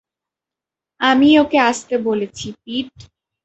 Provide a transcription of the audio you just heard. আমিই ওকে আসতে বলেছি, পিট।